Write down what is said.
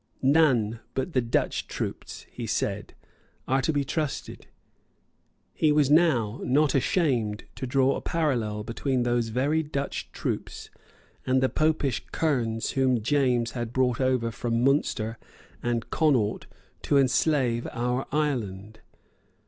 "None but the Dutch troops," he said, "are to be trusted." He was now not ashamed to draw a parallel between those very Dutch troops and the Popish Kernes whom James had brought over from Munster and Connaught to enslave our island.